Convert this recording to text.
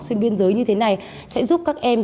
xuyên biên giới như thế này sẽ giúp các em